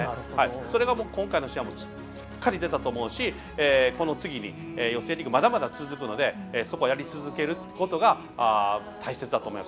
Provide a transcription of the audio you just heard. それが今回の試合はしっかり出たと思うしこの次に予選リーグまだまだ続くのでそこはやり続けることが大切だと思います。